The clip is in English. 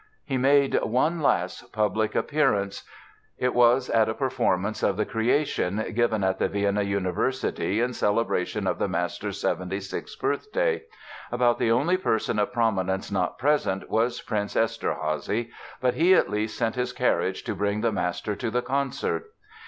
He made one last public appearance. It was at a performance of "The Creation" given at the Vienna University in celebration of the master's 76th birthday. About the only person of prominence not present was Prince Eszterházy; but he at least sent his carriage to bring the master to the concert!